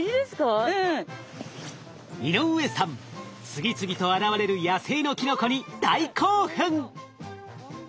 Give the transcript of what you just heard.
次々と現れる野生のキノコに大興奮！